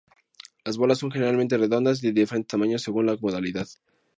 Las bolas son generalmente redondas y de diferentes tamaños según la modalidad.